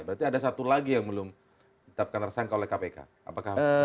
berarti ada satu lagi yang belum ditetapkan tersangka oleh kpk apakah